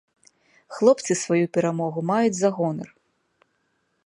Хлопцы сваю перамогу маюць за гонар.